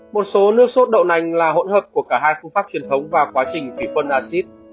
một số nước suốt đậu nành là hỗn hợp của cả hai phương pháp truyền thống và quá trình phỉ phân acid